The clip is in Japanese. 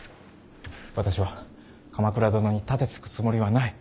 私は鎌倉殿に盾つくつもりはない。